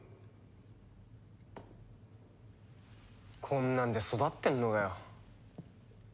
こんなんで育ってんのかよ。